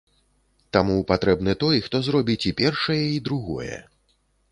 Таму патрэбны той, хто зробіць і першае, і другое.